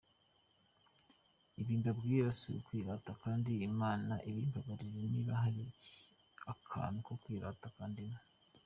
Ibi mbabwira si ukwirata kandi Imana ibimbababarire niba hari akantu ko kwirata kandimo.